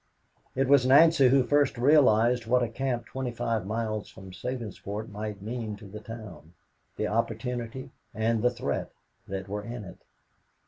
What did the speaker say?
It was Nancy who first realized what a camp twenty five miles from Sabinsport might mean to the town the opportunity and the threat that were in it.